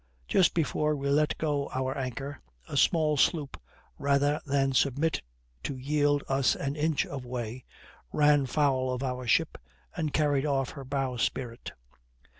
Just before we let go our anchor, a small sloop, rather than submit to yield us an inch of way, ran foul of our ship, and carried off her bowsprit.